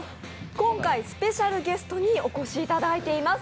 今回スペシャルゲストにお越しいただいています。